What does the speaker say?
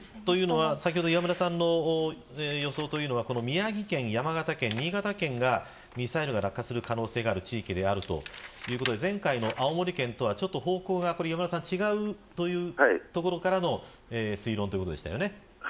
磐村さんの予想というのは宮城県、山形県、新潟県がミサイルが落下する可能性がある地域であるということで前回の青森県とは方向が少し違うというところからの推論でした。